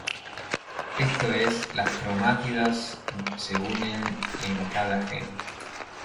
Esto es, las cromátidas se unen en cada gen.